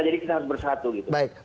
jadi kita harus bersatu gitu